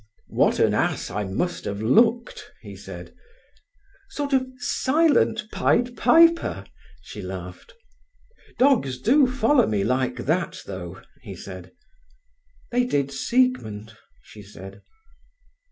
"What an ass I must have looked!" he said. "Sort of silent Pied Piper," she laughed. "Dogs do follow me like that, though," he said. "They did Siegmund," she said.